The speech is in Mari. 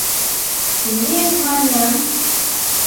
— Лек, маньым!